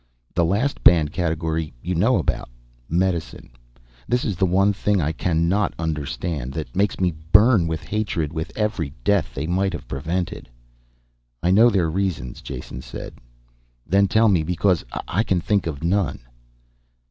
"The last banned category you know about medicine. This is the one thing I cannot understand, that makes me burn with hatred with every death they might have prevented." "I know their reasons," Jason said. "Then tell me, because I can think of none."